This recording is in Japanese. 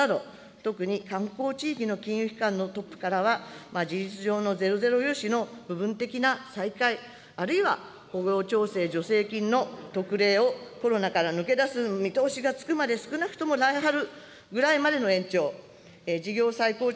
特に観光地域の金融機関のトップからは、事実上のゼロゼロ融資の部分的な再開、あるいは雇用調整助成金の特例をコロナから抜け出す見通しがつくまで、少なくとも来春ぐらいまでの延長、事業再構築